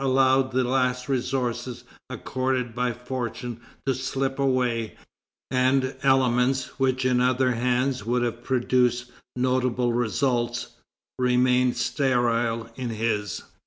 allowed the last resources accorded by fortune to slip away, and elements which in other hands would have produced notable results, remained sterile in his.